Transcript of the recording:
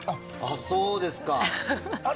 そうですか。